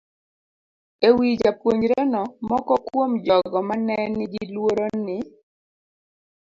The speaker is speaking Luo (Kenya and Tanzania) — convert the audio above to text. E wi japuonjreno, moko kuom jogo ma ne nigi luoro ni